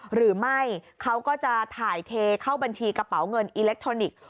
หรือไม่เขาก็จะถ่ายเทเข้าบัญชีกระเป๋าเงินอิเล็กทรอนิกส์